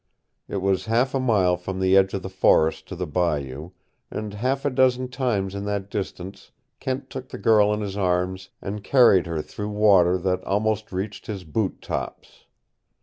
It was half a mile from the edge of the forest to the bayou, and half a dozen times in that distance Kent took the girl in his arms and carried her through water that almost reached his boot tops.